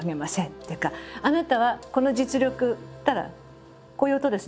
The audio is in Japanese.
っていうかあなたはこの実力っていったらこういう音ですね。